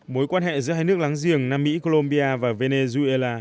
mối quan hệ giữa hai nước láng giềng nam mỹ colombia và venezuela